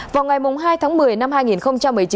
vào ngày hai tháng một mươi năm hai nghìn một mươi chín